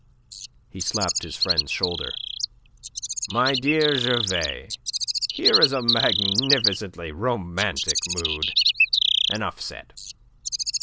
He slapped his friend's shoulder. "My dear Gervais, here is a magnificently romantic mood. Enough said.